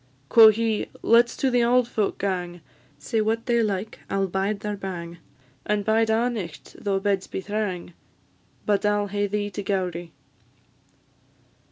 Quo' he, "Let 's to the auld folk gang; Say what they like, I 'll bide their bang, And bide a' nicht, though beds be thrang; But I 'll hae thee to Gowrie."